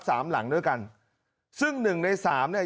สามหลังด้วยกันซึ่งหนึ่งในสามเนี้ย